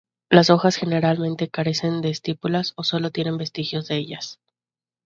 Las hojas generalmente carecen de estípulas o sólo tienen vestigios de ellas.